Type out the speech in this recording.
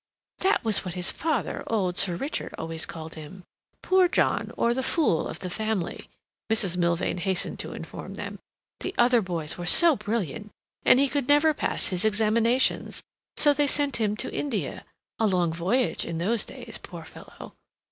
"That was what his father, old Sir Richard, always called him. Poor John, or the fool of the family," Mrs. Milvain hastened to inform them. "The other boys were so brilliant, and he could never pass his examinations, so they sent him to India—a long voyage in those days, poor fellow.